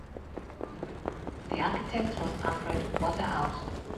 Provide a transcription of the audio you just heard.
The architect was Alfred Waterhouse.